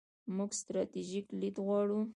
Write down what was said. موږ ستراتیژیک لید غواړو.